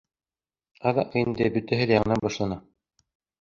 Аҙаҡ инде бөтәһе лә яңынан башлана.